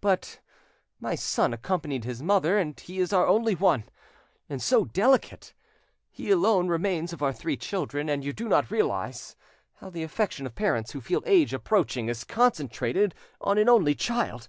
"But my son accompanied his mother, and he is our only one, and so delicate! He alone remains of our three children, and you do not realise how the affection of parents who feel age approaching is concentrated on an only child!